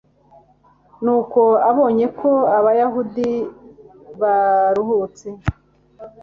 nuko abonye ko abayahudi baruhutse